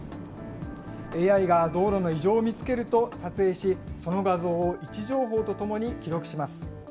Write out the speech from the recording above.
ＡＩが道路の異常を見つけると撮影し、その画像を位置情報とともに記録します。